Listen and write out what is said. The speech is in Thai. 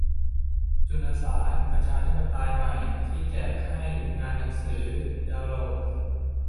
จุลสาร ประชาธิปไตยใหม่ ที่แจกในงานหนังสือ ดาวน์โหลด